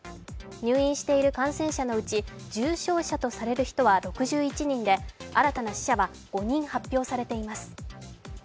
入院している感染者のうち重症者とされる人は６１人で新たな死者は５人発表されています